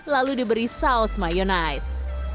lalu diberi saus mayonaise